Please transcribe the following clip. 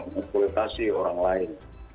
meng pleitasi orang lain